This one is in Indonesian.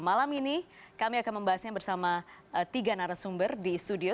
malam ini kami akan membahasnya bersama tiga narasumber di studio